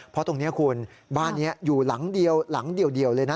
เพราะตรงนี้คุณบ้านนี้อยู่หลังเดียวหลังเดียวเลยนะ